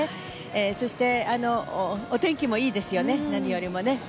そして、お天気もいいですよね何よりも。